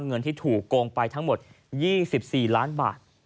เงินที่ถูกโกงไปทั้งหมด๒๔ล้านบาท